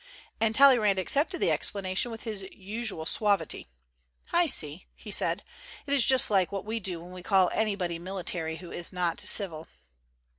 And Talleyrand accepted the explanation with his usual suavity. "I see," he said, "it is just like what we do when we call anybody military who is not civil."